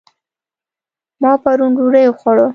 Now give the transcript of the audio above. ما پرون ډوډۍ وخوړه